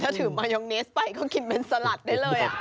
ถ้าถือมายองเนสไปก็กินเป็นสลัดได้เลย